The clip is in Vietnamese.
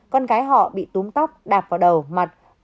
con gái họ bị túm tóc đạp vào đầu mặt